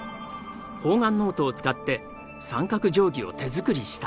方眼ノートを使って三角定規を手作りした。